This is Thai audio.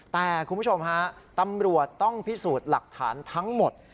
แต่คุณผู้ชมฮะตำรวจต้องพิสูจน์หลักฐานทั้งหมด